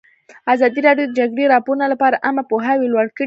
ازادي راډیو د د جګړې راپورونه لپاره عامه پوهاوي لوړ کړی.